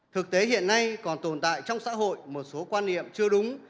thực tế hiện nay còn tồn tại trong xã hội một số quan niệm chưa đúng